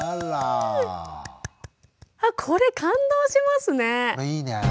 あこれ感動しますね。